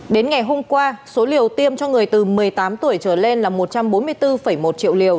đến ngày hôm qua số liều tiêm cho người từ một mươi tám tuổi trở lên là một trăm bốn mươi bốn một triệu liều